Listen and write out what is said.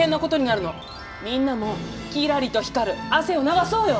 みんなもきらりと光る汗を流そうよ！